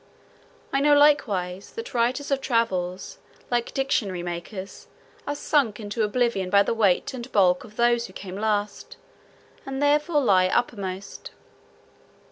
I know likewise, that writers of travels, like dictionary makers, are sunk into oblivion by the weight and bulk of those who come last, and therefore lie uppermost.